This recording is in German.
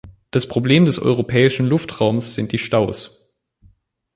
Das Problem des europäischen Luftraums sind die Staus.